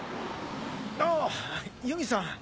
あっ由美さん。